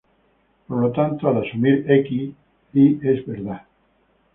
Por lo tanto, al asumir X, Y es verdad.